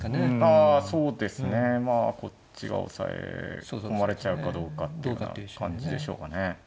あそうですね。こっちが押さえ込まれちゃうかどうかっていうような感じでしょうかね。